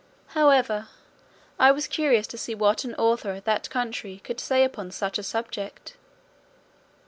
However, I was curious to see what an author of that country could say upon such a subject.